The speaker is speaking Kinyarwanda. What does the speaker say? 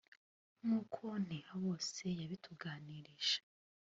nk’uko Ntihabose yabidutangarije